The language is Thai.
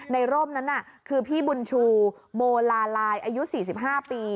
ร่มนั้นคือพี่บุญชูโมลาลายอายุ๔๕ปี